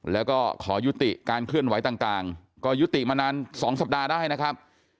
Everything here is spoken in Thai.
แล้วก็ขอยุติการเคลื่อนไหวต่างก็ยุติมานาน๒สัปดาห์ได้นะครับ